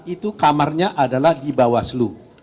itu kamarnya adalah di bawah selu